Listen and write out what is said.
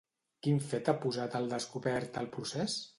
Quin fet ha posat al descobert el Procés?